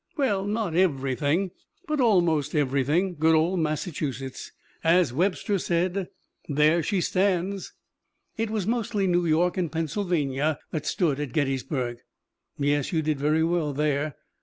"Well, not everything, but almost everything. Good old Massachusetts! As Webster said, 'There she stands!'" "It was mostly New York and Pennsylvania that stood at Gettysburg." "Yes, you did very well there."